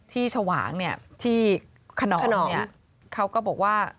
ฉวางที่ขนอมเขาก็บอกว่า